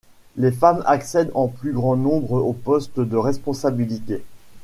Les femmes accèdent en plus grand nombre aux postes de responsabilités.